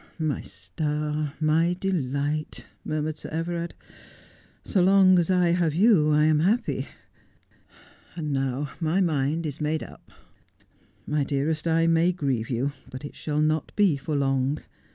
' My star, my delight,' murmured Sir Everard. ' So long as I have you I am happy. And now my mind is made up. My clearest, I may grieve you, but it shall not be for long.